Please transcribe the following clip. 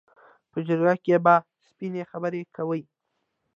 په جرګه کې به سپینې خبرې کوي.